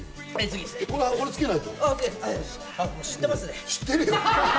知ってます。